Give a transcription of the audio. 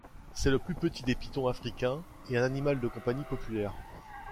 C'est le plus petit des pythons africains et un animal de compagnie populaire.